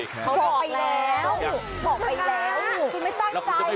เขาบอกไปแล้ว